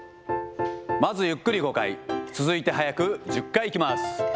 まずゆっくり５回、続いて速く１０回いきます。